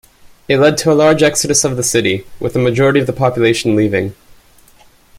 It led to a large exodus of the city, with a majority of the population leaving.